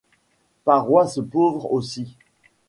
Paroisse pauvre, aussi.